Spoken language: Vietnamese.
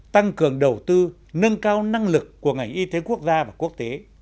tăng cường đầu tư nâng cao năng lực của ngành y tế quốc gia và quốc tế